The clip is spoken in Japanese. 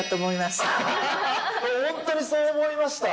本当にそう思いました。